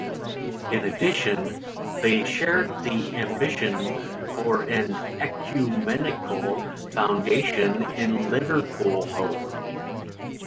In addition, they shared the ambition for an ecumenical foundation in Liverpool Hope.